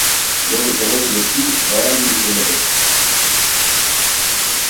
Додека не дојде ти, бајаги ми се лепеше.